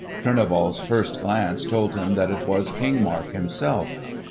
Kurneval's first glance told him that it was King Mark himself..